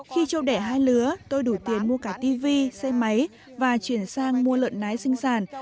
khi tru đẻ hai lứa tôi đủ tiền mua cả tv xe máy và chuyển sang mua lợn nái sinh sản